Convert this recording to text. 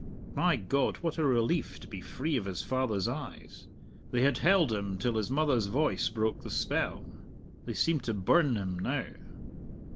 My God, what a relief to be free of his father's eyes! They had held him till his mother's voice broke the spell. They seemed to burn him now.